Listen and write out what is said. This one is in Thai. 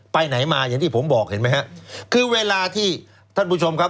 ไปไหนมาอย่างที่ผมบอกเห็นไหมฮะคือเวลาที่ท่านผู้ชมครับ